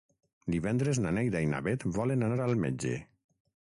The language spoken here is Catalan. Divendres na Neida i na Bet volen anar al metge.